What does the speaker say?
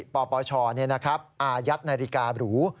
ปปชเนี่ยนะครับอายัดนาฬิกาบรู